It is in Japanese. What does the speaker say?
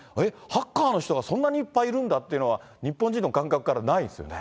ハッカーの人がそんなにいっぱいいるんだというのが、日本人の感覚から、ないですよね。